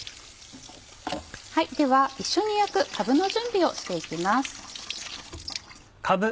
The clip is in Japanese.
では一緒に焼くかぶの準備をしていきます。